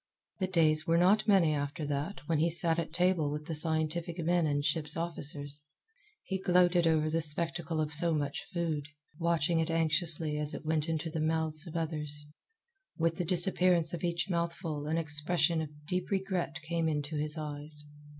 The days were not many after that when he sat at table with the scientific men and ship's officers. He gloated over the spectacle of so much food, watching it anxiously as it went into the mouths of others. With the disappearance of each mouthful an expression of deep regret came into his eyes.